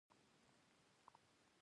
حیوانات پالنه غواړي.